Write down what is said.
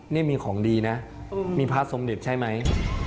นี่มีของดีนะมีพระสมเด็จใช่ไหม